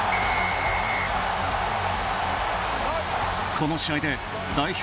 この試合で代表